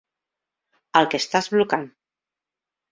El que estàs blocant.